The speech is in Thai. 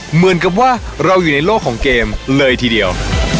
เหมือนกับว่าเราอยู่ในโลกของเกมเลยทีเดียว